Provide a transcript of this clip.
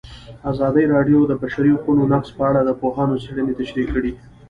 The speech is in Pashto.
ازادي راډیو د د بشري حقونو نقض په اړه د پوهانو څېړنې تشریح کړې.